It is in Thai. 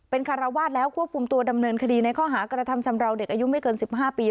เป็นคารวาสแล้วควบคุมตัวดำเนินคดีในข้อหากระทำชำราวเด็กอายุไม่เกิน๑๕ปี